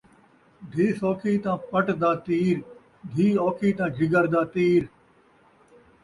دھی سوکھی تاں پٹ دا تیر ، دھی اوکھی تاں جگر دا تیر